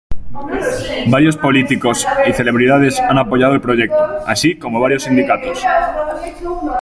Varios políticos y celebridades han apoyado el proyecto, así como varios sindicatos.